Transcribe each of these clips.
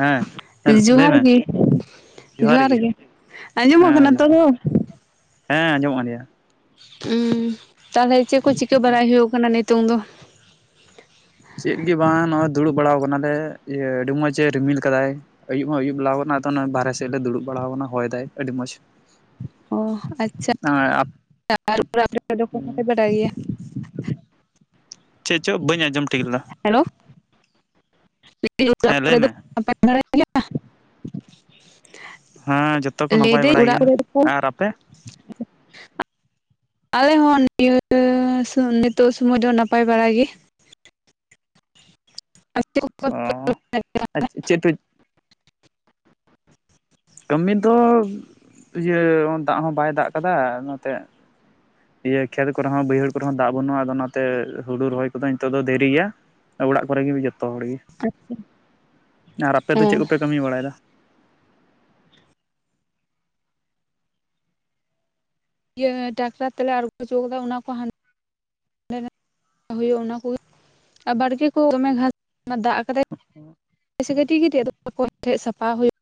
ᱦᱮᱸ ᱦᱮᱸ ᱞᱟᱹᱭ ᱡᱚᱦᱟᱨ ᱢᱮ ᱜᱮ ᱡᱚᱦᱟᱨ ᱜᱮ ᱟᱸᱡᱚᱢᱚᱜ ᱦᱮᱸ ᱠᱟᱱᱟ ᱛᱚ ᱡᱚᱦᱟᱨ ᱜᱮ ᱨᱚᱲ ᱦᱮᱸ ᱟᱸᱚᱢᱚᱜ ᱠᱟᱱ ᱜᱮᱭᱟ ᱦᱩᱸ ᱛᱟᱦᱚᱞᱮ ᱪᱮᱫ ᱠᱚ ᱪᱤᱠᱟᱹ ᱵᱟᱲᱟᱭ ᱦᱩᱭᱩᱜ ᱠᱟᱱᱟ ᱱᱤᱛᱚᱝ ᱫᱚ ᱪᱮᱫ ᱜᱮ ᱵᱟᱝ ᱱᱚᱜᱚᱭ ᱫᱩᱲᱩᱵ ᱵᱟᱲᱟ ᱟᱠᱟᱱᱟᱞᱮ ᱤᱭᱟᱹ ᱟᱹᱰᱤ ᱢᱚᱸᱡᱽ ᱮ ᱨᱤᱢᱤᱞ ᱠᱟᱫᱟᱭ ᱟᱹᱭᱩᱵ ᱦᱚᱸ ᱟᱹᱭᱩᱵ ᱵᱮᱞᱟ ᱟᱠᱟᱱᱟ ᱟᱫᱚ ᱵᱟᱦᱨᱮ ᱥᱮᱫ ᱞᱮ ᱫᱩᱲᱩᱵ ᱵᱟᱲᱟᱣ ᱟᱠᱟᱱᱟ ᱦᱚᱭ ᱫᱟᱭ ᱟᱹᱰᱤ ᱢᱚᱸᱡᱽ ᱚ ᱟᱪᱪᱷᱟ, ᱟᱨ [unintelligible] ᱫᱚᱢᱮ ᱯᱮ ᱵᱟᱰᱟᱭ ᱜᱮᱭᱟ? ᱪᱮᱫ ᱪᱚ ᱵᱟᱹᱧ ᱟᱸᱡᱚᱢ ᱴᱷᱤᱠ ᱞᱮᱫᱟ᱾ ᱦᱮᱞᱳ᱾ ᱦᱮᱸ [unintelligible] ᱞᱟᱹᱭ ᱠᱚᱨᱮ ᱫᱚ ᱢᱮ ᱱᱟᱯᱟᱭ ᱵᱟᱲᱟᱜᱮᱭᱟ? [unintelligible] ᱦᱮᱸ ᱡᱚᱛᱚ ᱠᱚ ᱱᱟᱯᱟᱭ ᱞᱟᱹᱭᱫᱟᱹᱧ ᱵᱟᱲᱟ ᱚᱲᱟᱜ ᱜᱮᱭᱟ, ᱠᱚᱨᱮ ᱫᱚᱠᱚ ᱟᱨ ᱟᱯᱮ? [unintelligible] ᱟᱞᱮ ᱦᱚᱸ ᱱᱤᱭᱟᱹ ᱱᱤᱛᱚᱜ ᱥᱩᱢᱚᱭ ᱫᱚ ᱱᱟᱯᱟᱭ ᱵᱟᱲᱟ ᱜᱤ᱾ ᱚ ᱟᱨ ᱪᱮᱫ [inaudible] ᱠᱟᱹᱢᱤ ᱫᱚ ᱤᱭᱟᱹ ᱫᱟᱜ ᱦᱚᱸ ᱵᱟᱭ ᱫᱟᱜ ᱠᱟᱫᱟ ᱚᱱᱟᱛᱮ ᱤᱭᱟᱹ ᱠᱷᱮᱛ ᱠᱚᱨᱮ ᱦᱚᱸ ᱵᱟᱹᱭᱦᱟᱹᱲ ᱠᱚᱨᱮ ᱦᱚᱸ ᱫᱟᱜ ᱵᱟᱹᱱᱩᱜᱼᱟ ᱟᱫᱚ ᱚᱱᱟᱛᱮ ᱦᱩᱲᱩ ᱨᱚᱦᱚᱭ ᱠᱚᱫᱚ ᱱᱤᱛᱚᱜ ᱫᱚ ᱫᱮᱨᱤ ᱜᱮᱭᱟ᱾ ᱚᱲᱟᱜ ᱠᱚᱨᱮ ᱜᱤ ᱡᱚᱛᱚ ᱦᱚᱲ ᱜᱤ, ᱟᱨ ᱟᱯᱮ ᱫᱚ ᱪᱮᱫ ᱦᱮᱸ ᱠᱚᱯᱮ ᱠᱟᱹᱢᱤ ᱵᱟᱲᱟᱭᱫᱟ? ᱤᱭᱟᱹ ᱴᱟᱠᱴᱟᱨ ᱛᱮᱞᱮ ᱟᱬᱜᱚ ᱦᱚᱪᱚ ᱟᱠᱟᱫᱟ ᱚᱱᱟ ᱠᱚ ᱦᱟᱸᱱ ᱚᱸ [unintelligible] ᱦᱩᱭᱩᱜ ᱚᱱᱟ ᱠᱚᱜᱮ ᱵᱟᱲᱜᱮ ᱠᱚ ᱫᱚᱢᱮ ᱜᱷᱟᱥ [unintelligible] ᱫᱟᱜ ᱠᱟᱛᱮ [inaudible] ᱥᱮ ᱠᱟᱹᱴᱤᱡ ᱠᱟᱹᱴᱤᱡ ᱟᱫᱚ ᱚᱱᱟ ᱠᱚ ᱴᱷᱮᱡ ᱥᱟᱯᱟ ᱦᱩᱭᱩᱜ᱾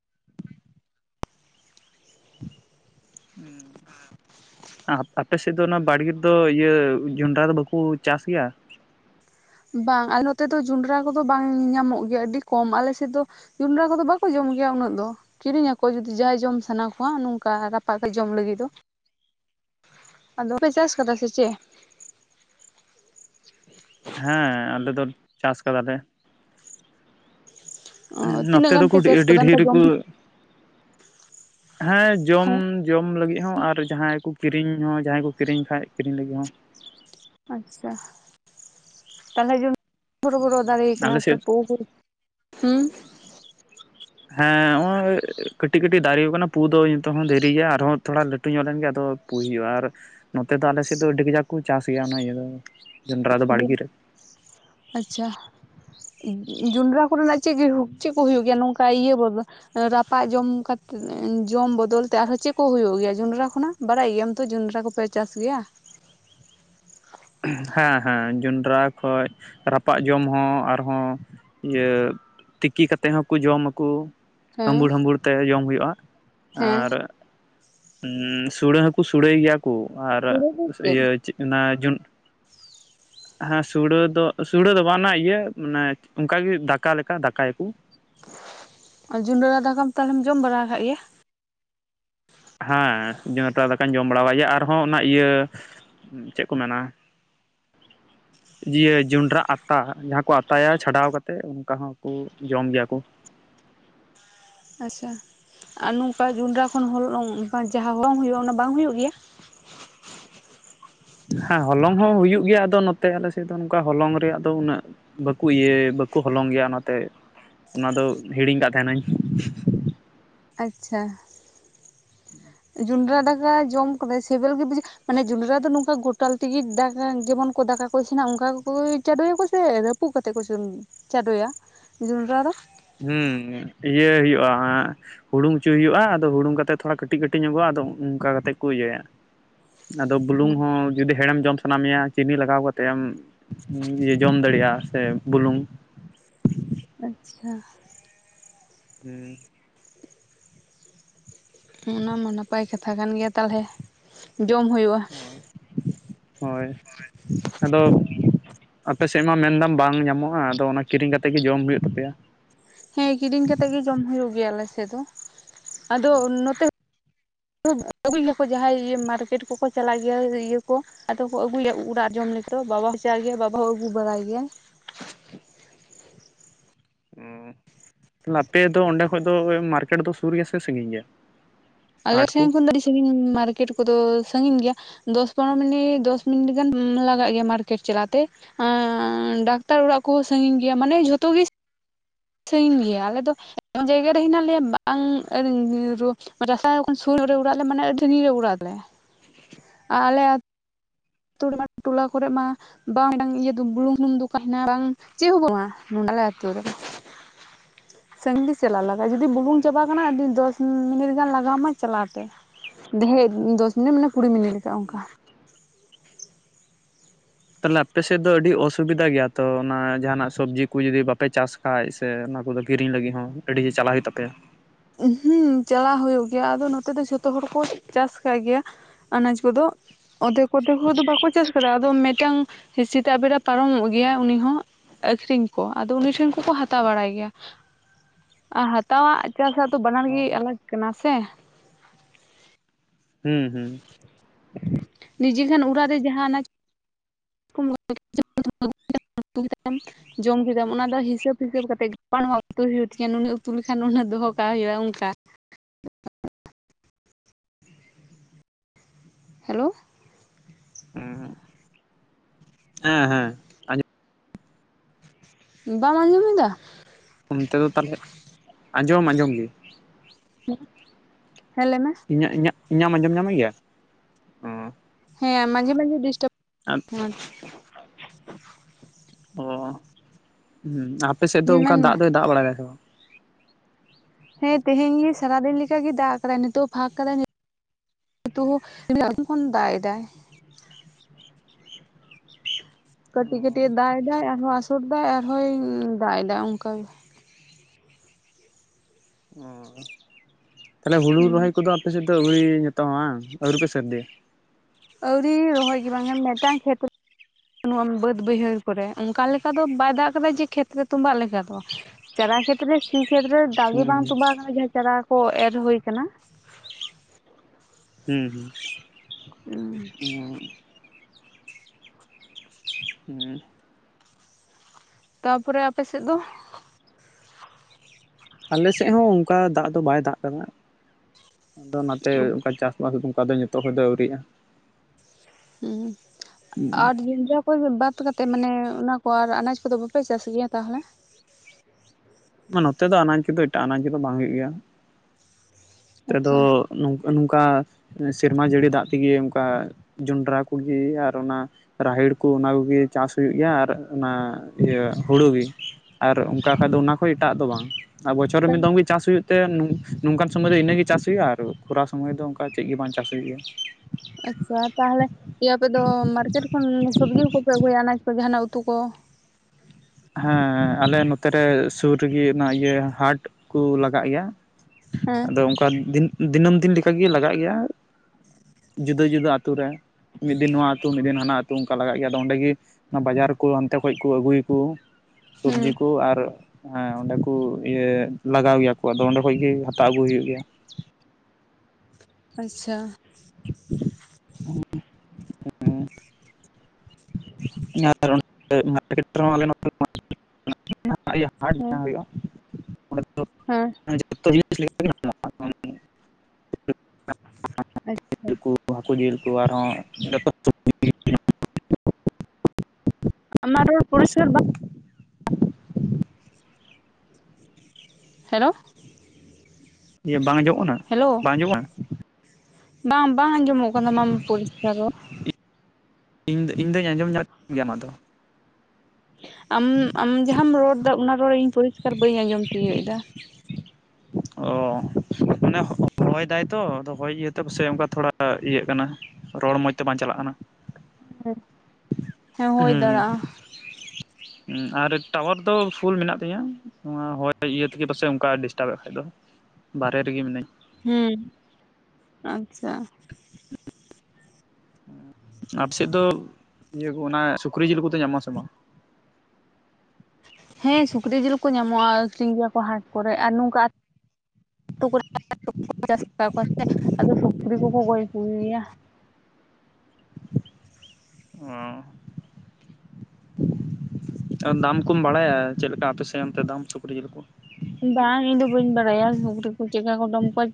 ᱦᱮᱸ᱾ ᱟᱯᱮ ᱥᱮᱫ ᱫᱚ ᱚᱱᱟ ᱵᱟᱲᱜᱤᱫᱚ ᱤᱭᱟᱹ ᱡᱚᱱᱰᱨᱟ ᱫᱚ ᱵᱟᱹᱠᱩ ᱪᱟᱥ ᱜᱮᱭᱟ? ᱵᱟᱝ ᱟᱞᱮ ᱱᱚᱛᱮ ᱫᱚ ᱡᱚᱱᱰᱨᱟ ᱠᱚᱫᱚ ᱵᱟᱝ ᱧᱟᱢᱚᱜ ᱜᱮᱭᱟ ᱟᱹᱰᱤ ᱠᱚᱢ ᱟᱞᱮ ᱥᱮᱫ ᱫᱚ ᱡᱩᱱᱰᱨᱟ ᱠᱚᱫᱚ ᱵᱟᱠᱚ ᱡᱚᱢ ᱜᱮᱭᱟ ᱩᱱᱟᱹᱜ ᱫᱚ᱾ ᱠᱤᱨᱤᱧ ᱟᱠᱚ ᱡᱩᱫᱤ ᱡᱟᱸᱦᱟᱭ ᱡᱚᱢ ᱥᱟᱱᱟ ᱠᱚᱣᱟ ᱱᱚᱝᱠᱟ ᱨᱟᱯᱟᱜ ᱛᱮ ᱡᱚᱢ ᱞᱟᱹᱜᱤᱫ ᱫᱚ᱾ ᱟᱫᱚ, ᱯᱮ ᱪᱟᱥ ᱟᱠᱟᱫᱟ ᱥᱮ ᱪᱮᱫ? ᱦᱮᱸ ᱟᱞᱮ ᱫᱚ ᱪᱟᱥ ᱟᱠᱟᱫᱟᱞᱮ᱾ ᱚ ᱱᱚᱛᱮ ᱛᱤᱱᱟᱹᱜ ᱜᱟᱱ ᱯᱮ ᱫᱩᱠᱩᱰ ᱟᱹᱰᱤ ᱪᱟᱥ ᱰᱷᱤᱹᱨ ᱠᱟᱫᱟ ᱚᱱᱠᱟ ᱰᱷᱤᱨᱜᱨᱹᱮ ᱠᱩ ᱡᱚᱢ ᱦᱮᱸ ᱡᱚᱢ ᱦᱮᱸ ᱡᱚᱢ ᱞᱟᱹᱜᱤᱫ ᱦᱚᱸ ᱟᱨ ᱡᱟᱦᱟᱸᱭ ᱠᱩ ᱠᱤᱨᱤᱧ ᱦᱚᱸ ᱡᱟᱦᱟᱸᱭ ᱠᱚ ᱠᱤᱨᱤᱧ ᱠᱷᱟᱡ ᱠᱤᱨᱤᱧ ᱞᱟᱹᱜᱤᱫ ᱦᱚᱸ ᱟᱪᱪᱷᱟ, ᱛᱟᱦᱚᱞᱮ ᱡᱚ ᱦᱚᱨᱚ ᱯᱩᱨᱟᱹ ᱫᱟᱲᱮᱭ ᱠᱟᱱᱟ ᱟᱞᱮ ᱥᱮ ᱥᱮᱫ ᱯᱳᱣᱦᱩ, ᱦᱩᱸ᱾ ᱦᱮᱸ᱾ ᱚᱸ ᱠᱟᱹᱴᱤᱡ ᱠᱟᱹᱴᱤᱡ ᱫᱟᱨᱮᱭ ᱠᱟᱱᱟ ᱯᱩ ᱫᱚ ᱱᱤᱛᱚᱝ ᱦᱚᱸ ᱫᱮᱨᱤ ᱜᱮᱭᱟ ᱟᱨᱦᱚᱸ ᱛᱷᱚᱲᱟ ᱞᱟᱹᱴᱩ ᱧᱚᱜ ᱞᱮᱱᱜᱮ ᱟᱫᱚ ᱯᱩᱭ ᱦᱩᱭᱩᱜᱼᱟ ᱟᱨ ᱱᱚᱛᱮ ᱫᱚ ᱟᱞᱮ ᱥᱮᱫ ᱫᱚ ᱟᱹᱰᱤ ᱠᱟᱡᱟᱠ ᱠᱚ ᱪᱟᱥ ᱜᱮᱭᱟ ᱚᱱᱟ ᱤᱭᱟᱹ ᱫᱚ᱾ ᱡᱚᱱᱰᱨᱟ ᱫᱚ ᱜᱤᱯ, ᱵᱟᱲᱜᱮ ᱨᱮ᱾ ᱟᱪᱪᱷᱟ᱾ ᱡᱩᱱᱰᱨᱟ ᱠᱚᱨᱮᱱᱟᱜ ᱪᱮᱫ ᱜᱤᱦᱩ ᱪᱮᱫ ᱠᱚ ᱦᱩᱭᱩᱜ ᱜᱮᱭᱟ ᱱᱚᱝᱠᱟ ᱤᱭᱟᱹ ᱵᱚᱫᱚ ᱨᱟᱯᱟᱜ ᱡᱚᱢ ᱠᱟᱛᱮ ᱡᱚᱢ ᱵᱚᱫᱚᱞ ᱛᱮ ᱟᱨᱦᱚᱸ ᱪᱮᱫ ᱠᱚ ᱦᱩᱭᱩᱜ ᱜᱮᱭᱟ ᱡᱩᱱᱰᱨᱟ ᱠᱷᱚᱱᱟᱜ? ᱵᱟᱲᱟᱭ ᱜᱤᱭᱟᱢ ᱛᱚ ᱡᱩᱱᱰᱨᱟ ᱠᱚᱯᱮ ᱪᱟᱥ ᱜᱮᱭᱟ? ᱦᱮᱸ ᱦᱮᱸ, ᱡᱚᱱᱰᱨᱟ ᱠᱷᱚᱡ ᱨᱟᱯᱟᱜ ᱡᱚᱢ ᱦᱚᱸ ᱟᱨᱦᱚᱸ ᱤᱭᱟᱹ, ᱛᱤᱠᱤ ᱠᱟᱛᱮᱫ ᱦᱚᱸᱠᱩ ᱡᱚᱢ ᱟᱠᱩ᱾ ᱦᱮᱸ ᱦᱟᱹᱵᱩᱲ ᱦᱟᱹᱵᱩᱲ ᱛᱮᱦᱚ ᱡᱚᱢ ᱦᱩᱭᱩᱜᱼᱟ ᱦᱮᱸ ᱟᱨ ᱩᱸ, ᱥᱩᱲᱮᱹ ᱦᱚᱸᱠᱩ ᱥᱩᱲᱮᱭ ᱜᱤᱭᱟ ᱠᱩ ᱟᱨ ᱦᱩᱲᱩ ᱫᱚ ᱪᱮᱫ ᱤᱭᱟᱹ ᱪᱤᱜ ᱠᱩ ᱢᱮᱱᱟ ᱡᱩᱱ [unintelligible] ᱦᱮᱸ ᱥᱩᱲᱟᱹ ᱫᱚ ᱥᱩᱲᱟᱹ ᱫᱚ ᱵᱟᱝ ᱚᱱᱟ ᱤᱭᱟᱹ ᱢᱟᱱᱮ ᱚᱱᱠᱟᱜᱤ ᱫᱟᱠᱟ ᱞᱮᱠᱟ ᱫᱟᱠᱟᱭᱟᱠᱩ᱾ ᱟᱨ ᱡᱩᱱᱰᱨᱟ ᱫᱟᱠᱟᱢ ᱛᱟᱦᱚᱞᱮᱢ ᱡᱚᱢ ᱵᱟᱲᱟᱣ ᱠᱟᱜ ᱜᱮᱭᱟ? ᱦᱮᱸ ᱡᱩᱱᱰᱨᱟ ᱫᱟᱠᱟᱧ ᱡᱚᱢ ᱵᱟᱲᱟᱣ ᱠᱟᱜ ᱜᱮᱭᱟ ᱟᱨᱦᱚᱸ ᱚᱱᱟ ᱤᱭᱟᱹ ᱪᱮᱫ ᱠᱚ ᱢᱮᱱᱟ? [unintelligible] ᱤᱭᱟᱹ ᱡᱩᱱᱰᱨᱟ ᱟᱛᱟ ᱡᱟᱦᱟᱸ ᱠᱩ ᱟᱛᱟᱭᱟ ᱪᱷᱟᱰᱟᱣ ᱠᱟᱛᱮᱫ ᱚᱱᱠᱟ ᱦᱚᱸᱠᱩ ᱡᱚᱢ ᱜᱮᱭᱟ ᱠᱩ᱾ ᱟᱪᱪᱷᱟ, ᱟᱨ ᱱᱩᱝᱠᱟ ᱡᱩᱱᱰᱨᱟ ᱠᱷᱚᱱ ᱦᱚᱞᱚᱝ ᱩᱝᱠᱟᱱ ᱡᱟᱦᱟᱸ ᱵᱟᱝ ᱦᱩᱭᱩᱜᱼᱟ, ᱚᱱᱟ ᱵᱟᱝ ᱦᱩᱭᱩᱜ ᱜᱮᱭᱟ? ᱦᱮᱸ ᱦᱚᱞᱚᱝ ᱦᱚᱸ ᱦᱩᱭᱩᱜ ᱜᱮᱭᱟ ᱟᱫᱚ ᱱᱚᱛᱮ ᱟᱞᱮ ᱥᱮᱫ ᱫᱚ ᱱᱚᱝᱠᱟ ᱦᱚᱞᱚᱝ ᱨᱮᱭᱟᱜ ᱫᱚ ᱩᱱᱟᱹᱜ ᱵᱟᱠᱩ ᱤᱭᱟᱹᱭ ᱵᱟᱠᱩ ᱦᱚᱞᱚᱝ ᱜᱤᱭᱟ ᱚᱱᱟᱛᱮ ᱚᱱᱟ ᱫᱚ ᱦᱤᱲᱤᱧ ᱠᱟᱜ ᱛᱟᱦᱮᱱᱟᱹᱧ᱾ ᱟᱪᱪᱷᱟ, ᱡᱩᱱᱰᱨᱟ ᱫᱟᱠᱟ ᱡᱚᱢ ᱠᱟᱫᱟᱭ ᱥᱤᱵᱮᱞ ᱜᱮ ᱵᱩᱡᱷ ᱢᱟᱱᱮ ᱡᱚᱱᱰᱨᱟ ᱫᱚ ᱱᱚᱝᱠᱟ ᱜᱚᱴᱟᱞ ᱛᱮᱜᱮ ᱫᱟᱠᱟ ᱡᱮᱢᱚᱱ ᱠᱚ ᱫᱟᱠᱟ ᱠᱚ ᱤᱥᱤᱱᱟ ᱚᱱᱠᱟ ᱜᱮᱠᱚ ᱪᱟᱰᱳᱭᱟᱠᱚ ᱥᱮ ᱛᱩᱯᱩᱜ ᱠᱟᱛᱮᱫ ᱠᱚ ᱪᱟᱰᱳᱭᱟ ᱡᱚᱸᱰᱨᱟ ᱫᱚ ᱦᱮᱸ ᱤᱭᱟᱹ ᱦᱩᱭᱩᱜᱼᱟ ᱦᱩᱲᱩᱝ ᱚᱪᱚᱭ ᱦᱩᱭᱩᱜᱼᱟ ᱟᱫᱚ ᱦᱩᱲᱩᱝ ᱠᱟᱛᱮᱫ ᱛᱷᱚᱲᱟ ᱠᱟᱹᱴᱤᱡ ᱠᱟᱹᱴᱤᱡ ᱧᱚᱜᱚᱜᱼᱟ ᱟᱫᱚ ᱚᱱᱠᱟ ᱠᱟᱛᱮᱫ ᱠᱚ ᱤᱭᱟᱹᱭᱟ ᱟᱫᱚ ᱵᱩᱞᱩᱝ ᱦᱚᱸ ᱡᱩᱫᱤ ᱦᱮᱲᱮᱢ ᱡᱚᱢ ᱥᱟᱱᱟ ᱢᱮᱭᱟ ᱪᱤᱱᱤ ᱞᱟᱜᱟᱣ ᱠᱟᱛᱮᱫ ᱮᱢ ᱤᱭᱟᱹ ᱡᱚᱢ ᱫᱟᱲᱮᱭᱟᱜᱼᱟ ᱥᱮ ᱵᱩᱞᱩᱝ ᱟᱪᱪᱷᱟ ᱦᱮᱸ ᱚᱱᱟ ᱢᱟ ᱱᱟᱯᱟᱭ ᱠᱟᱛᱷᱟ ᱠᱟᱱ ᱜᱮᱭᱟ ᱛᱟᱦᱚᱞᱮ ᱡᱚᱢ ᱦᱩᱭᱩᱜᱼᱟ᱾ ᱦᱳᱭ ᱦᱳᱭ ᱟᱫᱚ ᱟᱯᱮᱥᱮᱫ ᱢᱟ ᱢᱮᱱᱫᱟᱢ ᱵᱟᱝ ᱧᱟᱢᱚᱜᱼᱟ᱾ ᱟᱫᱚ ᱚᱱᱟ ᱠᱤᱨᱤᱧ ᱠᱟᱛᱮ ᱜᱮ ᱡᱚᱢ ᱦᱩᱭᱩᱜ ᱛᱟᱯᱮᱭᱟ᱾ ᱦᱮᱸ ᱠᱤᱨᱤᱧ ᱠᱟᱛᱮᱜ ᱜᱮ ᱡᱚᱢ ᱦᱩᱭᱩᱜ ᱜᱮᱭᱟ ᱟᱞᱮᱥᱮᱫ ᱫᱚ᱾ ᱟᱫᱚ ᱱᱚᱛᱮ ᱟᱹᱜᱩᱭ ᱜᱮᱭᱟ ᱠᱚ ᱡᱟᱦᱟᱸᱭ ᱢᱟᱨᱠᱮᱴ ᱠᱚᱠᱚ ᱪᱟᱞᱟᱜ ᱜᱮᱭᱟ ᱤᱭᱟᱹ ᱠᱚ᱾ ᱟᱫᱚ ᱠᱚ ᱟᱹᱜᱩᱭᱟ ᱚᱲᱟᱜ ᱡᱚᱢ ᱞᱮᱴᱚ ᱵᱟᱵᱟ ᱦᱚ ᱪᱟᱞᱟᱜ ᱜᱮᱭᱟ ᱵᱟᱵᱟ ᱦᱚ ᱟᱹᱜᱩ ᱵᱟᱲᱟᱭ ᱜᱮᱭᱟ᱾ ᱩᱸ, ᱟᱯᱮ ᱫᱚ ᱚᱸᱰᱮ ᱠᱷᱚᱡ ᱫᱚ ᱢᱟᱨᱠᱮᱴ ᱫᱚ ᱥᱩᱨ ᱜᱮᱭᱟ ᱥᱮ ᱥᱟᱺᱜᱤᱧ ᱜᱮᱭᱟ? ᱟᱞᱮ ᱦᱟᱴ ᱠᱚ? ᱴᱷᱮᱱ ᱠᱷᱚᱱ ᱫᱚ ᱟᱹᱰᱤ ᱥᱟᱺᱜᱤᱧ ᱢᱟᱨᱠᱮᱴ ᱠᱚᱫᱚ ᱥᱟᱺᱜᱤᱧ ᱜᱮᱭᱟ᱾ ᱫᱚᱥ ᱯᱚᱱᱨᱚ ᱢᱤᱱᱤᱴ ᱫᱚᱥ ᱢᱤᱱᱤᱴ ᱜᱟᱱ ᱞᱟᱜᱟᱜ ᱜᱮᱭᱟ ᱢᱟᱨᱠᱮᱴ ᱪᱟᱞᱟᱛᱮ ᱮ ᱰᱟᱠᱛᱟᱨ ᱚᱲᱟᱜ ᱠᱚᱦᱚᱸ ᱥᱟᱺᱜᱤᱧ ᱜᱮᱭᱟ ᱢᱟᱱᱮ ᱡᱷᱚᱛᱚ ᱜᱮ ᱥᱟᱺᱜᱤᱧ ᱜᱮᱭᱟ ᱟᱞᱮ ᱫᱚ ᱮᱢᱟᱱ ᱡᱟᱭᱜᱟ ᱨᱮ ᱦᱮᱱᱟᱜ ᱞᱮᱭᱟ ᱵᱟᱝ ᱨᱟᱸᱥᱛᱟ ᱡᱚᱠᱷᱚᱱ ᱥᱩᱨ ᱨᱮ ᱚᱲᱟᱜ ᱟᱞᱮ ᱢᱟᱱᱮ ᱟ. ᱰᱤ ᱥᱟ. ᱜᱤᱧ ᱨᱮ ᱚᱲᱟᱜ ᱟᱞᱮ ᱟᱨ ᱟᱞᱮ ᱟᱹᱛᱩ ᱢᱟ ᱴᱚᱞᱟ ᱠᱚᱨᱮ ᱢᱟ ᱵᱟᱝ ᱤᱭᱟᱹ ᱵᱟᱝ ᱵᱩᱞᱩᱝ ᱫᱩᱱᱩᱝ ᱫᱚᱱᱟᱱ ᱦᱮᱱᱟᱜ ᱵᱟᱝ ᱪᱮᱫ ᱦᱚᱸ ᱵᱟᱱᱩᱜ ᱟᱞᱮ ᱟᱛᱩ ᱨᱮ [inaudible] ᱥᱟᱺᱜᱤᱧ ᱪᱟᱞᱟᱜ ᱞᱟᱜᱟᱜᱼᱟ ᱡᱩᱫᱤ ᱵᱩᱞᱩᱝ ᱪᱟᱵᱟ ᱠᱟᱱᱟ ᱫᱚᱥ ᱢᱤᱱᱤᱴ ᱜᱟᱱ ᱞᱟᱜᱟᱣ ᱟᱢᱟ ᱪᱟᱞᱟᱣ ᱛᱮ ᱵᱮᱨ ᱫᱚᱥ ᱢᱤᱱᱤᱴ ᱢᱟᱱᱮ ᱠᱩᱲᱤ ᱢᱤᱱᱤᱴ ᱞᱮᱠᱟ ᱚᱱᱠᱟ ᱛᱟᱦᱚᱞᱮ ᱟᱯᱮ ᱥᱮᱫ ᱫᱚ ᱟᱹᱰᱤ ᱚᱥᱩᱵᱤᱫᱟ ᱜᱮᱭᱟ ᱛᱚ ᱚᱱᱟ ᱡᱟᱦᱟᱱᱟᱜ ᱥᱚᱵᱽᱡᱤ ᱠᱚ ᱡᱩᱫᱤ ᱵᱟᱯᱮ ᱪᱟᱥ ᱠᱷᱟᱡ ᱥᱮ ᱚᱱᱟ ᱠᱚᱫᱚ ᱠᱤᱨᱤᱧ ᱞᱟᱹᱜᱤᱫ ᱦᱚᱸ ᱟᱹᱰᱤ ᱪᱟᱞᱟᱟᱜ ᱦᱩᱭᱩᱜ ᱛᱟᱯᱮᱭᱟ ᱦᱩᱸ ᱪᱟᱞᱟᱣ ᱦᱩᱭᱩᱜ ᱜᱮᱭᱟ᱾ ᱟᱫᱚ ᱱᱚᱛᱮ ᱫᱚ ᱡᱷᱚᱛᱚ ᱦᱚᱲ ᱠᱚ ᱪᱟᱥ ᱠᱟᱜ ᱜᱮᱭᱟ᱾ ᱟᱱᱟᱡᱽ ᱠᱚᱫᱚ ᱚᱫᱮᱠ ᱠᱚᱛᱮᱷᱮ ᱠᱚ ᱫᱚ ᱵᱟᱠᱚ ᱪᱟᱥ ᱟᱠᱟᱫᱟ ᱟᱫᱚ ᱢᱤᱫᱴᱟᱝ ᱥᱮᱛᱟᱜ ᱵᱮᱨᱟ ᱯᱟᱨᱚᱢᱚᱜ ᱜᱮᱭᱟ ᱩᱱᱤ ᱦᱚᱸ ᱟᱠᱷᱨᱤᱧ ᱠᱚ ᱟᱫᱚ ᱩᱱᱤ ᱴᱷᱮᱱ ᱠᱚᱠᱚ ᱦᱟᱛᱟᱣ ᱵᱟᱲᱟᱭ ᱜᱮᱭᱟ ᱟᱨ ᱦᱟᱛᱟᱣᱟᱜ ᱪᱟᱥᱟᱜ ᱫᱚ ᱵᱟᱱᱟᱨ ᱜᱮ ᱦᱩᱸ ᱟᱞᱟᱟᱜᱽ ᱠᱟᱱᱟ ᱥᱮ ᱦᱩᱸ ᱦᱩᱸ ᱱᱤᱡᱮ ᱠᱷᱟᱱ ᱚᱲᱟᱜ ᱨᱮ ᱡᱟᱦᱟ ᱡᱚᱢ ᱠᱮᱫᱟᱢ ᱚᱱᱟ ᱫᱚ ᱦᱤᱥᱟᱹᱵᱽ ᱦᱤᱥᱟᱹᱵ ᱠᱟᱛᱮᱫ ᱜᱟᱯᱟ ᱱᱚᱣᱟ ᱩᱛᱩ ᱦᱩᱭᱩᱜ ᱛᱤᱧᱟᱹ ᱱᱩᱱᱟᱹᱜ ᱩᱛᱩ ᱞᱮᱠᱷᱟᱱ ᱩᱱᱟᱹᱜ ᱫᱚᱦᱚ ᱠᱟᱜ ᱦᱩᱭᱩᱜᱼᱟ ᱚᱱᱠᱟ ᱦᱮᱞᱳ ᱦᱮᱸ ᱦᱮᱸ ᱵᱟᱢ ᱟᱸᱡᱚᱢᱮᱫᱟ ᱚᱱᱛᱮ ᱫᱚ ᱛᱟᱦᱚᱞᱮ ᱟᱸᱡᱚᱢ ᱟᱸᱡᱚᱢ ᱜᱮ᱾ ᱦᱮ ᱤᱧᱟᱹᱜ ᱤᱧᱟᱹᱜ ᱟᱡᱚᱢ ᱟᱢᱚᱜ ᱜᱮᱭᱟ ᱦᱮᱸ ᱢᱟᱡᱮ ᱢᱟᱡᱮ ᱰᱤᱥᱴᱟᱯ ᱟᱨ ᱦᱩ ᱚ ᱦᱸ ᱟᱯᱮᱮᱥᱮᱫ ᱫᱚ ᱦᱮᱸ ᱚᱱᱠᱟ ᱢᱮᱱ ᱫᱟᱜ ᱢᱮ ᱫᱚᱭ ᱫᱟᱜ ᱵᱟᱲᱟᱭᱟ ᱥᱮ ᱵᱟᱝ ᱦᱮᱸ ᱛᱮᱦᱮᱧ ᱜᱮ ᱥᱟᱨᱟᱫᱤᱱ ᱞᱮᱠᱟᱜᱮ ᱫᱟᱜ ᱟᱠᱟᱫᱟᱭ ᱱᱤᱛᱚᱜ ᱯᱷᱟᱸᱠ ᱠᱟᱫᱟᱭ [unintelligible] ᱥᱮᱛᱟᱜ ᱠᱷᱚᱱ ᱫᱟᱜ ᱮ ᱫᱟᱭ ᱾ ᱠᱟᱹᱴᱤᱡ ᱠᱟᱹᱴᱤᱡ ᱮ ᱫᱟᱜ ᱮᱫᱟ ᱟᱨᱦᱚᱸ ᱟᱥᱚᱴ ᱮᱫᱟ ᱟᱨᱦᱚᱸᱭ ᱫᱟᱜ ᱮᱫᱟ ᱚᱱᱠᱟᱜᱮ ᱚ ᱛᱟᱦᱚᱞᱮ ᱦᱩᱲᱩ ᱦᱩᱸ ᱨᱚᱦᱚᱭ ᱠᱚᱫᱚ ᱟᱯᱮ ᱥᱮᱫ ᱫᱚ ᱟᱹᱣᱨᱤ ᱧᱤᱛᱚᱜ ᱦᱟᱝ ᱟᱹᱣᱨᱤᱯᱮ ᱥᱟᱨᱫᱤᱭᱟ ᱟᱣᱨᱤ ᱨᱚᱦᱚᱭ ᱜᱮ ᱵᱟᱝ ᱢᱤᱫᱴᱟᱝ ᱠᱷᱮᱛ ᱱᱚᱣᱟ ᱵᱟᱹᱫᱽ ᱵᱟᱹᱭᱦᱟᱹᱲ ᱠᱚᱨᱮ ᱚᱱᱠᱟ ᱞᱮᱠᱟ ᱫᱚ ᱵᱟᱭ ᱫᱟᱜ ᱠᱟᱫᱟ ᱡᱮ ᱠᱷᱮᱛᱨᱮ ᱛᱩᱢᱵᱟᱜ ᱞᱮᱠᱟ ᱫᱚ᱾ ᱪᱟᱨᱟ ᱠᱷᱮᱛᱨᱮ ᱥᱤ ᱠᱷᱮᱛᱨᱮ ᱫᱟᱜᱮ ᱦᱩᱸ ᱵᱟᱝ ᱦᱩᱸ ᱛᱚᱵᱟᱣ ᱟᱠᱟᱱᱟ ᱡᱟᱦᱟᱸ ᱪᱟᱨᱟ ᱠᱚ ᱮᱨ ᱦᱳᱭ ᱟᱠᱟᱱᱟ ᱦᱮᱸ ᱦᱮᱸ ᱚ ᱦᱮᱸ ᱛᱟᱯᱚᱨᱮ ᱟᱯᱮᱮᱥᱮᱜ ᱫᱚ ᱟᱞᱮ ᱥᱮᱫ ᱦᱚᱸ ᱚᱱᱠᱟ ᱫᱟᱜ ᱫᱚ ᱵᱟᱭ ᱫᱟᱜ ᱠᱟᱫᱟ ᱟᱫᱚ ᱱᱟᱛᱮ ᱚᱱᱠᱟ ᱪᱟᱥ ᱚᱱᱠᱟ ᱫᱚ ᱱᱤᱛᱳᱜ ᱫᱚ ᱱᱤᱛᱚᱜ ᱠᱷᱚᱱ ᱫᱚ ᱟᱹᱣᱨᱤᱜᱼᱟ ᱦᱩᱸ ᱟᱨᱴ ᱫᱤᱱ ᱡ [inaudible] ᱚᱠᱚᱭ ᱵᱟᱫ ᱠᱟᱛᱮ ᱢᱟᱱᱮ ᱚᱱᱟ ᱠᱚ ᱟᱨ ᱟᱱᱟᱡᱽ ᱠᱚᱫᱚ ᱵᱟᱯᱮ ᱪᱟᱥ ᱜᱮᱭᱟ ᱛᱟᱦᱚᱞᱮ ᱱᱚᱛᱮ ᱫᱚ ᱟᱱᱟᱡ ᱠᱚᱫᱚ ᱮᱴᱟᱜ ᱟᱱᱟᱡ ᱠᱚᱫᱚ ᱵᱟᱝ ᱦᱩᱭᱩᱜ ᱜᱮᱭᱟ ᱱᱚᱛᱮ ᱫᱚ ᱟᱪᱪᱷᱟ ᱱᱚᱝᱠᱟ ᱥᱮᱨᱢᱟ ᱡᱟᱹᱲᱤ ᱫᱟᱜ ᱛᱮᱜᱮ ᱱᱚᱚᱱᱠᱟ ᱡᱚᱱᱰᱨᱟ ᱠᱚᱜᱮ ᱟᱨ ᱚᱱᱟ ᱨᱟᱦᱮᱲ ᱠᱚ ᱚᱱᱟ ᱠᱚᱜᱮ ᱪᱟᱥ ᱦᱩᱭᱩᱜ ᱜᱮᱭᱟ ᱟᱨ ᱚᱱᱟ ᱤᱭᱟᱹ ᱦᱩᱲᱩᱜᱮ ᱟᱨ ᱚᱱᱠᱟ ᱠᱷᱟᱱ ᱫᱚ ᱚᱱᱟ ᱠᱷᱚᱡ ᱮᱴᱟᱜ ᱫᱚ ᱵᱟᱝ ᱟᱨ ᱵᱚᱪᱷᱚᱨ ᱨᱮ ᱢᱤᱫᱢ ᱜᱮ ᱪᱟᱥ ᱦᱩᱭᱩᱜ ᱛᱮ ᱱᱚᱝᱠᱟᱱ ᱥᱚᱢᱚᱭ ᱫᱚ ᱤᱱᱟᱹᱜᱮ ᱪᱟᱥ ᱦᱩᱭᱩᱜᱼᱟ ᱟᱨ ᱠᱷᱚᱨᱟ ᱥᱚᱢᱚᱭ ᱫᱚ ᱚᱱᱠᱟ ᱪᱮᱜ ᱜᱮ ᱵᱟᱝ ᱪᱟᱥ ᱦᱩᱭᱩᱜᱜᱮᱭᱟ ᱟᱪᱪᱷᱟ ᱛᱟᱦᱚᱞᱮ ᱤᱭᱟᱹ ᱟᱯᱮᱫᱚ ᱢᱟᱨᱠᱮᱴ ᱠᱷᱚᱱ ᱥᱚᱵᱽᱡᱤ ᱠᱚᱠᱚᱯᱮ ᱟᱹᱜᱩᱭᱟ ᱟᱱᱟᱡᱽ ᱠᱚ ᱡᱟᱦᱟᱱᱟᱜ ᱩᱛᱩ ᱠᱚ ᱦᱮᱸ ᱟᱞᱮ ᱱᱚᱛᱮᱨᱮ ᱥᱩᱨ ᱨᱮᱜᱮ ᱚᱱᱟ ᱤᱭᱟᱹ ᱦᱟᱴ ᱠᱚ ᱞᱟᱜᱟᱜ ᱜᱮᱭᱟ ᱦᱮᱸ ᱟᱫᱚ ᱚᱱᱠᱟ ᱫᱤᱱᱟᱹᱢ ᱫᱤᱱ ᱞᱮᱠᱟᱜᱮ ᱞᱟᱜᱟᱜ ᱜᱮᱭᱟ ᱡᱩᱫᱟᱹ ᱡᱩᱫᱟᱹ ᱟᱛᱳ ᱨᱮ ᱢᱤᱫ ᱫᱤᱱ ᱱᱚᱣᱟ ᱟᱹᱛᱩ ᱢᱤᱫ ᱫᱤᱱ ᱦᱟᱱᱟ ᱟᱛᱩ ᱚᱱᱠᱟ ᱞᱟᱜ ᱜᱮᱭᱟ ᱟᱫᱚ ᱚᱸᱰᱮ ᱜᱮ ᱱᱚᱣᱟ ᱵᱟᱡᱟᱨ ᱠᱚ ᱦᱟᱱᱛᱮ ᱠᱷᱚᱡ ᱠᱚ ᱟᱹᱜᱩ ᱠᱚ ᱥᱚᱵᱡᱤ ᱦᱮᱸ ᱠᱚ ᱟᱨ ᱦᱮᱸ ᱚᱸᱰᱮ ᱠᱚ ᱤᱭᱟᱹ ᱞᱟᱜᱟᱣ ᱜᱮᱭᱟ ᱠᱚ ᱟᱫᱚ ᱚᱸᱰᱮ ᱠᱷᱚᱡ ᱜᱮ ᱦᱟᱛᱟᱣ ᱟᱹᱜᱩ ᱦᱩᱭᱩᱜ ᱜᱮᱭᱟ ᱟᱪᱪᱷᱟ ᱦᱮᱸ ᱦᱮᱸ ᱟᱨᱮᱛᱦᱚᱸ ᱟᱞᱮ ᱱᱚ ᱦᱟᱴ ᱦᱮᱸ ᱦᱩᱭᱩᱜᱼᱟ [inaudible] ᱦᱮᱸ ᱡᱚᱛᱚ ᱡᱤᱱᱤᱥ [inaudible] ᱟᱪᱪᱷᱟ ᱡᱤᱞ ᱦᱟᱹᱠᱩ ᱡᱤᱞ ᱠᱚ ᱟᱨᱦᱚᱸ ᱡᱚᱛᱚ ᱟᱢᱟᱜ ᱨᱚᱲ ᱯᱚᱨᱤᱥᱠᱟᱨ ᱵᱟᱝ ᱦᱮᱞᱳ ᱤᱭᱟ ᱵᱟᱝ ᱟᱡᱚᱢᱚᱜ ᱠᱟᱱᱟ ᱦᱮᱞᱳ ᱵᱟᱝ ᱟᱸᱡᱚᱢᱚᱜ ᱠᱟᱱᱟ ᱵᱟᱝ ᱵᱟᱝ ᱟᱸᱡᱚᱢᱚᱜ ᱠᱟᱱ ᱛᱟᱢᱟ ᱯᱚᱨᱤᱥᱠᱟᱨ ᱫᱚ ᱤᱧ ᱫᱚ ᱤᱧ ᱫᱚᱧ ᱟᱸᱡᱚᱢ ᱧᱟᱢ ᱜᱮᱭᱟ ᱚᱢᱟᱜ ᱫᱚ ᱟᱢ ᱟᱢ ᱡᱟᱦᱟᱸᱟᱢ ᱨᱚᱲ ᱮᱫᱟ ᱚᱱᱟ ᱨᱚᱲ ᱤᱧ ᱯᱚᱨᱤᱥᱠᱟᱨ ᱵᱟᱹᱧ ᱟᱸᱡᱚᱢ ᱛᱤᱭᱳᱜ ᱮᱫᱟ ᱚ ᱢᱟᱱᱮ ᱦᱚᱭ ᱫᱟᱭ ᱛᱚ ᱟᱫᱚ ᱦᱚᱭ ᱤᱭᱟᱹᱛᱮ ᱯᱟᱥᱮ ᱚᱱᱠᱟ ᱛᱷᱚᱲᱟ ᱤᱭᱟᱹᱜ ᱠᱟᱱᱟ ᱨᱚᱲ ᱢᱚᱡᱽ ᱛᱮ ᱵᱟᱝ ᱪᱟᱞᱟᱜ ᱠᱟᱱᱟ ᱦᱮᱸ ᱦᱳᱭ ᱦᱮᱸ ᱫᱟᱲᱮᱭᱟᱜᱼᱟ [unintelligible] ᱦᱮᱸ ᱟᱨ ᱴᱟᱣᱟᱨ ᱫᱚ ᱯᱷᱩᱞ ᱢᱮᱱᱟᱜ ᱛᱤᱧᱟ ᱱᱳᱣᱟ ᱦᱚᱭ ᱤᱭᱟᱹ ᱛᱮᱜᱮ ᱯᱟᱥᱮ ᱚᱱᱠᱟ ᱰᱤᱥᱴᱟᱵᱮᱫ ᱠᱷᱟᱡ ᱫᱚ ᱵᱟᱨᱨᱮ ᱨᱮᱜᱮ ᱢᱤᱱᱟᱹᱧ ᱦᱩᱸ ᱟᱪᱪᱷᱟ ᱟᱯᱮ ᱥᱮᱫ ᱫᱚ ᱤᱭᱟᱹ ᱠᱚ ᱚᱱᱟ ᱥᱩᱠᱨᱤ ᱡᱤᱞ ᱠᱚᱫᱚ ᱧᱟᱢ ᱟᱥᱮ ᱵᱟᱝ ᱦᱮᱸ ᱥᱩᱠᱨᱤ ᱡᱤᱞ ᱠᱚ ᱧᱟᱢᱚᱜᱼᱟ ᱟᱹᱠᱷᱨᱤᱧ ᱜᱮᱭᱟ ᱠᱚ ᱦᱟᱴ ᱠᱚᱨᱮ ᱟᱨ ᱱᱚᱝᱠᱟ ᱠᱚ ᱪᱟᱥ ᱠᱚᱣᱟ ᱥᱮ ᱟᱫᱚ ᱥᱩᱠᱨᱤ ᱠᱚᱠᱚ ᱜᱚᱡ ᱠᱚᱜᱮᱭᱟ ᱚ ᱟ ᱫᱟᱢ ᱠᱚᱢ ᱵᱟᱲᱟᱭᱟ ᱪᱮᱫᱞᱮᱠᱟ ᱟᱯᱮ ᱥᱮᱫ ᱚᱱᱛᱮ ᱫᱟᱢ ᱥᱩᱠᱨᱤ ᱡᱮᱞ ᱠᱚ? ᱵᱟᱝ ᱤᱧ ᱫᱚ ᱵᱟᱹᱧ ᱵᱟᱲᱟᱭᱟ ᱥᱩᱠᱨᱤ ᱠᱚ ᱪᱮᱜᱠᱟ ᱠᱚ ᱰᱟᱢ ᱠᱚᱣᱟ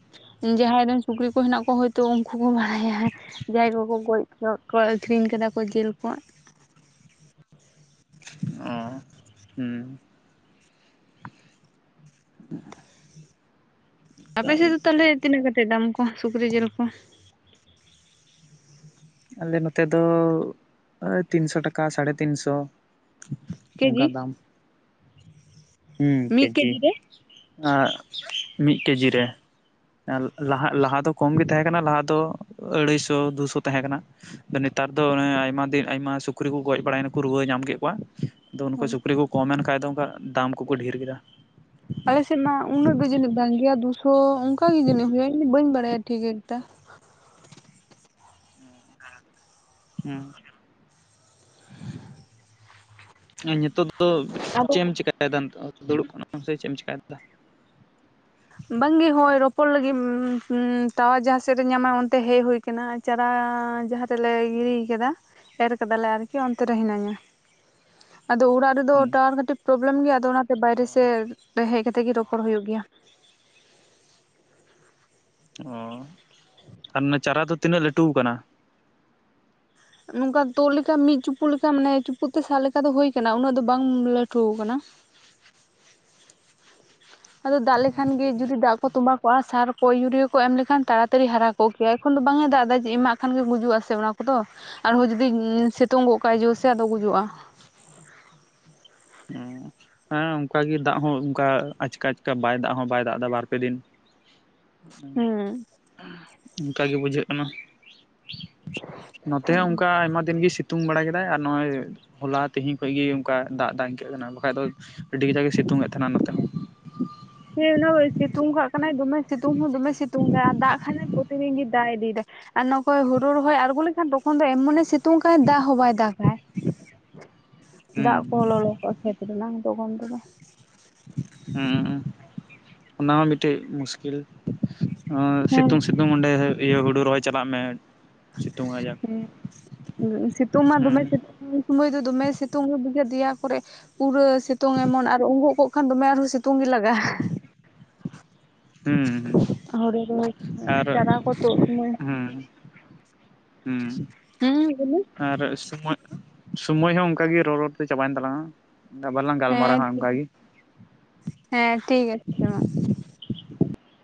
ᱡᱟᱦᱟᱸᱭ ᱨᱮᱱ ᱥᱩᱠᱨᱤ ᱠᱚ ᱦᱮᱱᱟᱜ ᱠᱚᱣᱟ ᱛᱚ ᱩᱱᱠᱩ ᱠᱚ ᱵᱟᱲᱟᱭᱟ ᱡᱟᱦᱟᱸᱭ ᱠᱚᱠᱚ ᱜᱚᱡ ᱜ ᱠᱚᱣᱟ ᱟᱹᱠᱷᱨᱤᱧ ᱠᱟᱫᱟ ᱠᱚ ᱡᱮᱞ ᱠᱚ ᱚ ᱦᱮᱸ ᱟᱯᱮ ᱥᱮᱫ ᱫᱚ ᱛᱟᱦᱚᱞᱮ ᱛᱤᱱᱟᱹᱜ ᱠᱟᱛᱮ ᱫᱟᱢ ᱠᱚ ᱥᱩᱠᱨᱤ ᱡᱮᱞ ᱠᱚ ᱟᱞᱮ ᱱᱚᱛᱮ ᱫᱚ ᱛᱤᱱᱥᱚ ᱴᱟᱠᱟ ᱥᱟᱲᱮ ᱛᱤᱱ ᱥᱚ ᱚᱱᱠᱟ ᱠᱮᱡᱤ ᱫᱟᱢ ᱦᱩᱸ ᱢᱤᱫ ᱠᱮᱡᱤ ᱨᱮ ᱟᱨ ᱢᱤᱫ ᱠᱮᱡᱤ ᱨᱮ ᱞᱟ ᱞᱟᱦᱟ ᱞᱟᱦᱟ ᱫᱚ ᱠᱚᱢ ᱜᱮ ᱛᱟᱦᱮᱸ ᱠᱟᱱᱟ ᱞᱟᱦᱟ ᱫᱚ ᱟᱹᱲᱟᱹᱭᱥᱚ ᱫᱩᱥᱚ ᱛᱟᱦᱮᱸ ᱠᱟᱱᱟ ᱾ ᱱᱮᱛᱟᱨ ᱫᱚ ᱟᱭᱢᱟ ᱫᱤᱱ ᱟᱭᱢᱟ ᱥᱩᱠᱨᱤ ᱠᱚ ᱜᱚᱡ ᱵᱟᱲᱟᱭᱱᱟᱠᱚ ᱨᱩᱣᱟᱹ ᱧᱟᱢ ᱠᱮᱫ ᱠᱚᱣᱟ ᱾ ᱟᱫᱚ ᱩᱱᱠᱩ ᱥᱩᱠᱨᱤ ᱠᱚ ᱠᱚᱢᱮᱱ ᱠᱷᱟᱡ ᱫᱚ ᱚᱱᱠᱟ ᱫᱟᱢ ᱠᱚᱠᱚ ᱰᱷᱮᱨ ᱠᱮᱫᱟ᱾ [inaudible] ᱟᱞᱮᱥᱮᱫ ᱢᱟ ᱩᱱᱟᱹᱜ ᱵᱤᱡᱞᱤ ᱫᱟᱜ ᱜᱮᱭᱮ ᱫᱩᱥᱚ ᱚᱱᱠᱟ ᱜᱮ ᱡᱟᱹᱱᱤᱡ ᱦᱩᱭᱩᱱ ᱤᱧ ᱫᱚ ᱵᱟᱹᱧ ᱵᱟᱲᱟᱭᱟ ᱴᱷᱤᱠ ᱮᱠᱴᱟ᱾ [inaudible] ᱱᱤᱛᱚᱜ ᱫᱚ ᱪᱮᱜ ᱮᱢ ᱪᱤᱠᱟᱭᱫᱟ ᱱᱤᱛᱚᱜ ᱫᱩᱲᱩᱵ ᱠᱟᱱᱟᱢ ᱥᱮ ᱪᱮᱜ ᱮᱢ ᱪᱤᱠᱟᱭ ᱫᱟ? ᱵᱟᱝᱜᱮ ᱦᱚᱭ ᱨᱚᱯᱚᱲ ᱞᱟᱹᱜᱤᱫ ᱴᱟᱣᱟᱨ ᱡᱟᱦᱟᱸ ᱥᱮᱫ ᱨᱮ ᱧᱟᱢᱟᱭ ᱚᱱᱛᱮ ᱦᱮᱡ ᱦᱩᱭ ᱠᱟᱱᱟ᱾ ᱪᱟᱨᱟ ᱡᱟᱦᱟᱸ ᱨᱮᱞᱮ ᱜᱤᱨᱤ ᱠᱟᱫᱟ ᱮᱨ ᱠᱮᱫᱟᱞᱮ ᱟᱨᱠᱤ ᱚᱱᱛᱮ ᱨᱮ ᱦᱤᱱᱟᱹᱧᱟ᱾ ᱟᱫᱚ ᱚᱲᱟᱜ ᱨᱮᱫᱚ ᱦᱩᱸ ᱴᱟᱣᱟᱨ ᱠᱟᱹᱴᱤᱡ ᱯᱨᱚᱵᱞᱮᱢ ᱜᱮᱭᱟ ᱟᱫᱚ ᱚᱱᱟᱛᱮ ᱵᱟᱭᱨᱮ ᱥᱮᱫ ᱨᱮ ᱦᱮᱡ ᱠᱟᱛᱮ ᱜᱮ ᱨᱚᱯᱚᱲ ᱦᱳᱭᱳᱜ ᱜᱮᱭᱟ᱾ ᱚ ᱟᱨ ᱪᱟᱨᱟ ᱫᱚ ᱛᱤᱱᱟᱹᱜ ᱞᱟᱹᱴᱩ ᱟᱠᱟᱱᱟ? ᱱᱚᱝᱠᱟ ᱛᱩᱫ ᱞᱮᱠᱟ ᱢᱤᱫ ᱪᱩᱯᱩ ᱞᱮᱠᱟ ᱱᱮ ᱪᱩᱯᱩᱫ ᱛᱮ ᱥᱟᱜ ᱞᱮᱠᱟ ᱫᱚ ᱦᱳᱭ ᱠᱟᱱᱟ ᱩᱱᱟᱹᱜ ᱫᱚ ᱵᱟᱝ ᱞᱟᱹᱴᱩ ᱠᱟᱱᱟ᱾ ᱟᱫᱚ ᱫᱟᱜ ᱞᱮᱠᱷᱟᱱ ᱜᱮ ᱡᱩᱫᱤ ᱫᱟᱜ ᱠᱚ ᱛᱚᱸᱵᱟ ᱠᱚᱜᱼᱟ ᱥᱟᱨ ᱠᱚ ᱤᱭᱩᱨᱤᱭᱟᱤᱭᱟᱹ ᱠᱚ ᱮᱢ ᱞᱮᱠᱷᱟᱱ ᱛᱟᱲᱟᱛᱟᱹᱲᱤ ᱦᱟᱨᱟ ᱠᱚᱜ ᱠᱮᱭᱟ ᱮᱠᱷᱚᱱ ᱫᱚ ᱵᱟᱝ ᱮ ᱫᱟᱜ ᱫᱟᱭ ᱮᱢᱟᱠ ᱠᱷᱟᱱ ᱜᱮ ᱜᱩᱡᱩᱜ ᱟ ᱥᱮ ᱚᱱᱟ ᱠᱚᱫᱚ ᱟᱨᱦᱚᱸ ᱡᱩᱫᱤ ᱥᱮᱛᱳᱝ ᱜᱚᱜ ᱠᱟᱜᱟᱭ ᱡᱚ ᱥᱮ ᱟᱫᱚ ᱜᱩᱡᱩᱜᱼᱟ ᱾ [unintelligible] ᱦᱮᱸ ᱚᱱᱠᱟ ᱜᱮ ᱫᱟᱜ ᱦᱚᱸ ᱚᱱᱠᱟ ᱟᱪᱠᱟ ᱟᱪᱠᱟ ᱵᱟᱭ ᱫᱟᱜ ᱦᱚᱸ ᱵᱟᱭ ᱫᱟᱜ ᱫᱟ ᱵᱟᱨ ᱯᱮ ᱫᱤᱱ᱾ ᱦᱮᱸ ᱚᱱᱠᱟᱜᱮ ᱵᱩᱡᱷᱟᱹᱜ ᱠᱟᱱᱟ᱾ ᱱᱚᱛᱮ ᱦᱚᱸ ᱚᱱᱠᱟ ᱟᱭᱢᱟ ᱫᱤᱱ ᱜᱮ ᱥᱤ ᱛᱩᱝ ᱵᱟᱲᱟ ᱠᱮᱫᱟᱭ ᱟᱨ ᱱᱚᱜ ᱚᱭ ᱦᱚᱞᱟ ᱛᱮᱦᱮᱧ ᱠᱷᱚᱡ ᱜᱮ ᱚᱱᱠᱟ ᱫᱟᱜ ᱫᱟᱭ᱾ ᱤᱱᱠᱟᱹᱜ ᱠᱟᱱᱟ ᱵᱟᱠᱷᱟᱡ ᱫᱚ ᱟᱹᱰᱤ ᱠᱟᱡᱟᱠᱮ ᱥᱤᱛᱩᱝ ᱮᱫ ᱛᱟᱦᱮᱱᱟ ᱱᱚᱛᱮ ᱦᱚᱸ᱾ ᱦᱮᱸ ᱱᱚᱜᱼᱚᱭ ᱥᱤᱛᱩᱝ ᱠᱟᱜ ᱠᱟᱱᱟᱭ ᱫᱚᱢᱮ ᱥᱤᱛᱩᱝ ᱦᱚᱸ ᱫᱚᱢᱮ ᱥᱤᱛᱩᱝ ᱫᱟᱭ ᱟᱨ ᱫᱟᱜ ᱠᱷᱟᱡ ᱮ ᱯᱨᱚᱛᱤᱫᱤᱱ ᱜᱮᱭ ᱫᱟᱜ ᱤᱫᱤᱭᱫᱟᱭ᱾ ᱟᱨ ᱱᱚᱠᱚᱭ ᱦᱩᱲᱩ ᱨᱚᱦᱚᱭ ᱟᱬᱜᱚ ᱞᱮᱠᱷᱟᱱ ᱛᱚᱠᱷᱚᱱ ᱫᱚ ᱮᱢᱚᱱᱮ ᱥᱤᱛᱩᱝ ᱠᱟᱭ ᱫᱟᱜ ᱦᱚᱸ ᱵᱟᱭ ᱫᱟᱜ ᱟᱭ ᱦᱩᱸ ᱫᱟᱜ ᱠᱚ ᱞᱚᱞᱚ ᱠᱚᱜᱼᱟ ᱠᱷᱮᱛ ᱨᱮᱱᱟᱝ ᱛᱟᱠᱷᱚᱱ ᱛᱮᱫᱚ᱾ ᱦᱩᱸ ᱚᱱᱟ ᱦᱚᱸ ᱢᱤᱫᱴᱮᱱ ᱢᱩᱥᱠᱤᱞ ᱦᱮᱸ ᱥᱤᱛᱩᱝ ᱥᱤ ᱛᱩᱝ ᱚᱸᱰᱮ ᱤᱭᱟᱹ ᱦᱩᱲᱩ ᱨᱚᱦᱚᱭ ᱪᱟᱞᱟᱜ ᱢᱮ᱾ ᱥᱤᱛᱩᱝ ᱟᱡᱟᱠ ᱦᱩᱸ ᱥᱤᱛᱩᱝ ᱢᱟ ᱦᱩᱸ ᱫᱚᱢᱮ ᱥᱤ ᱩᱱ ᱥᱚᱢᱚᱭ ᱫᱚᱢᱮ ᱥᱤᱛᱩᱝ ᱦᱚᱸ ᱵᱩᱡᱟᱹ ᱫᱮᱭᱟ ᱠᱚᱨᱮ ᱯᱩᱨᱟᱹ ᱥᱤᱛᱩᱝ ᱮᱢᱚᱱ ᱟᱨ ᱩᱜᱚᱜ ᱠᱚᱜ ᱠᱷᱟᱱ ᱫᱚᱢᱮ ᱟᱨᱦᱚᱸ ᱥᱤᱛᱩᱝ ᱜᱮ ᱞᱟᱜᱟᱜᱼᱟ᱾ ᱦᱩᱸ ᱦᱩᱸ ᱦᱳᱲᱳ ᱨᱚᱦᱚᱭ ᱟᱨ ᱪᱟᱨᱟ ᱠᱚ ᱛᱩᱜ ᱥᱚᱢᱚᱭ᱾ ᱦᱩᱸ ᱦᱩᱸ ᱦᱩᱸ ᱞᱮᱭᱢᱮ᱾ ᱟᱨ ᱥᱩᱢᱟᱹ ᱥᱩᱢᱟᱹᱭ ᱦᱚᱸ ᱚᱱᱠᱟ ᱜᱤ ᱨᱚᱲ ᱨᱚᱲ ᱛᱮ ᱪᱟᱵᱟᱭᱮᱱ ᱛᱟᱞᱟᱝᱼᱟ᱾ ᱵᱟᱞᱟᱝ ᱦᱮᱸ ᱴᱷᱤᱠ ᱟᱪᱷᱮ ᱦᱮᱸ ᱴᱷᱤᱠ ᱟᱪᱷᱮ ᱢᱟ᱾